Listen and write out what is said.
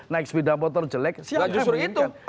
naik sepeda motor jelek siapa yang menginginkan